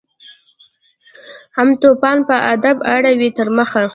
هم توپان په ادب اړوي تر مخه